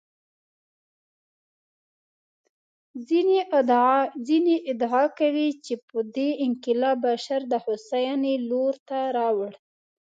ځینې ادعا کوي چې دې انقلاب بشر د هوساینې لور ته راوړ.